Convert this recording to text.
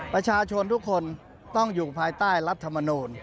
ประชาชนทุกคนต้องอยู่ภายใต้รัฐมนูล